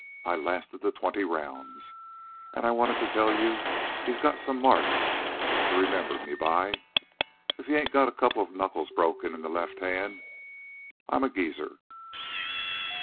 I lasted the twenty rounds, an' I wanta tell you he's got some marks to remember me by. If he ain't got a couple of knuckles broke in the left hand I'm a geezer.